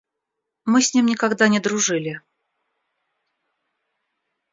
Мы с ним никогда не дружили.